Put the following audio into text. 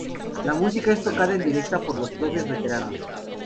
La música es tocada en directo por los propios veteranos.